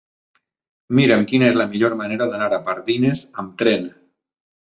Mira'm quina és la millor manera d'anar a Pardines amb tren.